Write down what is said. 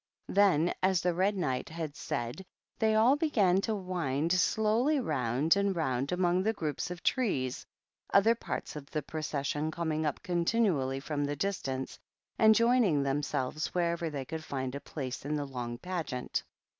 Then, as the Red KnightJ had said, they all began to wind slowly round 8 round among the groups of trees, other parts c the procession coming up continually from distance and joining themselves wherever tl could find a place in the loig Pageant.